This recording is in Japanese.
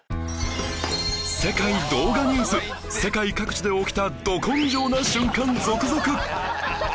『世界動画ニュース』世界各地で起きたド根性な瞬間続々！